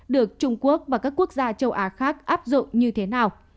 được trung quốc và các quốc gia châu á khác áp dụng như thế nào